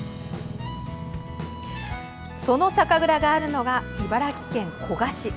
その酒蔵があるのが茨城県古河市。